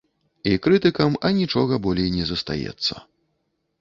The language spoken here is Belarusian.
І крытыкам анічога болей не застаецца.